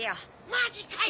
マジかよ